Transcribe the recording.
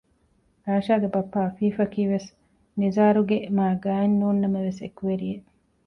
އާޝާގެ ބައްޕަ އަފީފަކީވެސް ނިޒާރުގެ މާގާތް ނޫންނަމަވެސް އެކުވެރިއެއް